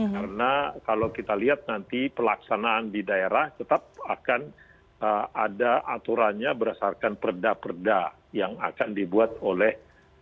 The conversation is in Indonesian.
karena kalau kita lihat nanti pelaksanaan di daerah tetap akan ada aturannya berdasarkan perda perda yang akan dibuat oleh